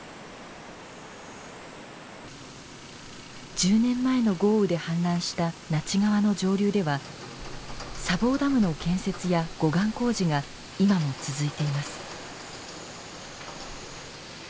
１０年前の豪雨で氾濫した那智川の上流では砂防ダムの建設や護岸工事が今も続いています。